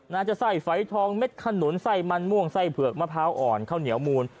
น่าจะใส่ไฟทองเม็ดขนุนใส่มันม่วงใส่เผือกมะพร้าวอ่อนเข้าเหนียวมูล